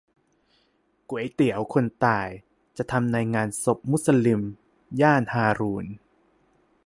ก๋วยเตี๋ยวคนตาย จะทำในงานศพมุสลิม ย่านฮารูณ